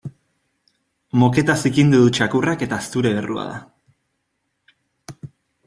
Moketa zikindu du txakurrak eta zure errua da.